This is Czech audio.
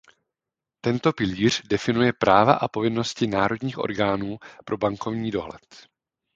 Tento pilíř definuje práva a povinnosti národních orgánů pro bankovní dohled.